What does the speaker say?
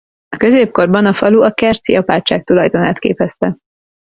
A középkorban a falu a kerci apátság tulajdonát képezte.